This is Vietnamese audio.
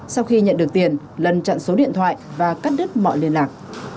sau khi nhận được tiền lân chặn số điện thoại và cắt đứt mọi liên lạc